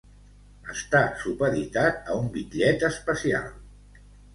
Està supeditat a un bitllet especial.